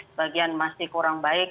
sebagian masih kurang baik